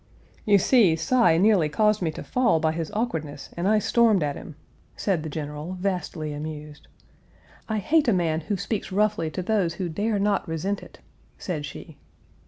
"You see, Cy nearly caused me to fall by his awkwardness, and I stormed at him," said the General, vastly amused. "I hate a man who speaks roughly to those who dare not resent it," said she.